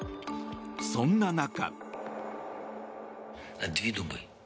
そんな中。